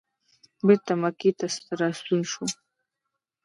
بېرته مکې ته راستون شو.